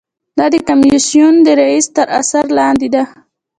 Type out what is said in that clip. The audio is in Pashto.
دا د کمیسیون د رییس تر اثر لاندې ده.